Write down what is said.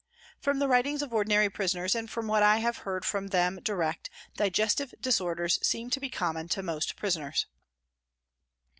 From the writings of ordinary prisoners and from what I have heard from them direct, digestive disorders seem to be common to most prisoners.